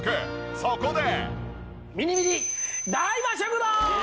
そこで。